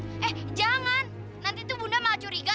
eh jangan nanti itu bunda malah curiga